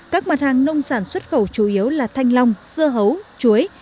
các mặt hàng nông sản xuất khẩu chủ yếu là thanh long dưa hấu chuối